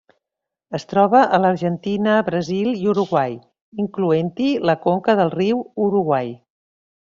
Es troba a l'Argentina, Brasil i Uruguai, incloent-hi la conca del riu Uruguai.